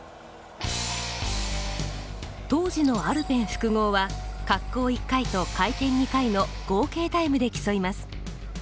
当時のアルペン複合は滑降１回と回転２回の合計タイムで競います。